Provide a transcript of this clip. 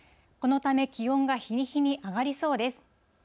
このため、気温が日に日に上がりそうです。